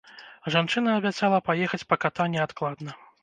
Жанчына абяцала паехаць па ката неадкладна.